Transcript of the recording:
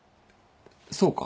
そうか？